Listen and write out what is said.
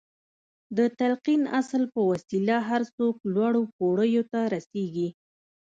د تلقين اصل په وسيله هر څوک لوړو پوړيو ته رسېږي.